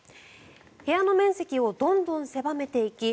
部屋の面積をどんどん狭めていき１